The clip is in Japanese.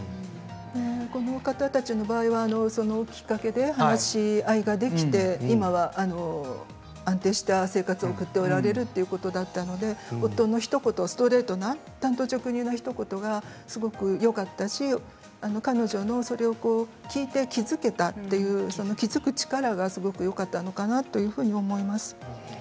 この方たちの場合はそのきっかけで話し合いができて今は安定した生活を送っておられるということだったので夫のストレートな単刀直入なひと言がすごくよかったしそれを聞いて、彼女も気付けた気付く力もよかったと思います。